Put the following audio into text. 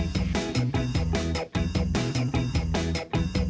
สวัสดีค่ะ